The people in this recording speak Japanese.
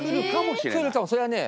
来るかもそれはね